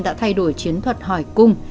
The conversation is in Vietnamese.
đã thay đổi chiến thuật hỏi cung